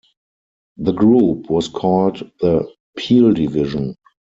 The group was called the "Peel Division".